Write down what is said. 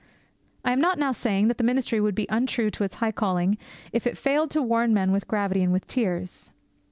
I am not now saying that the ministry would be untrue to its high calling if it failed to warn men with gravity and with tears.